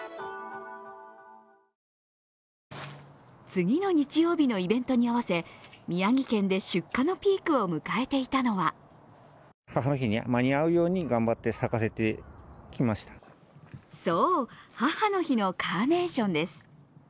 次の日曜日のイベントに合わせ宮城県で出荷のピークを迎えていたのはそう、母の日のカーネーションです。